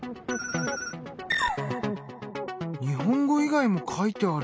日本語以外も書いてある。